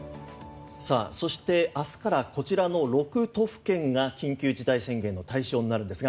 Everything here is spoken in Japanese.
そして、明日からこちらの６都府県が緊急事態宣言の対象になるんですが